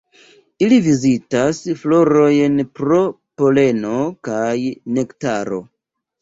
Ili vizitas florojn pro poleno kaj nektaro.